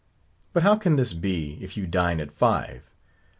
But how can this be, if you dine at five?